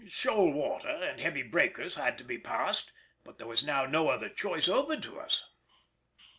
Shoal water and heavy breakers had to be passed, but there was now no other choice open to us.